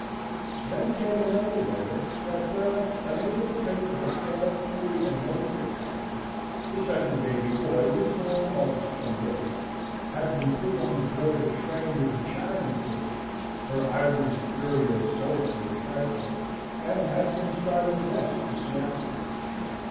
Then came another letter that Bera, unable to pay for her care, food and medical attention the second baby boy was born August 28th had been put on board a train with a charity ticket, her ivories and curios sold for a trifle and had been started West for Seattle.